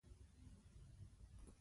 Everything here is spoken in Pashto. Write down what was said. رقیب زما د مبارزې سترګې ده